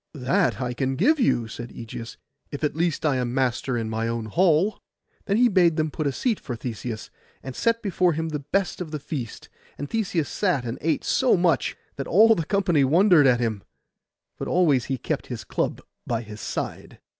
'That I can give you,' said Ægeus, 'if at least I am master in my own hall.' Then he bade them put a seat for Theseus, and set before him the best of the feast; and Theseus sat and ate so much, that all the company wondered at him: but always he kept his club by his side.